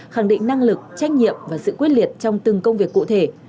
khẳng định năng lực trách nhiệm và sự quyết liệt trong từng công việc cụ thể